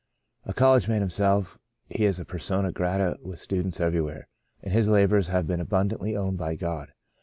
A col lege man himself, he is persona grata with students everywhere ; and his labours have been abundandy owned by God.